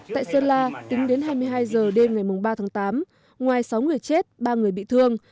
tại sơn la tính đến hai mươi hai h đêm ngày ba tháng tám ngoài sáu người chết ba người bị thương